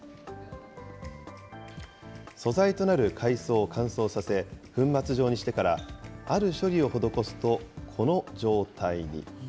素材となる海藻を乾燥させ、粉末状にしてから、ある処理を施すと、この状態に。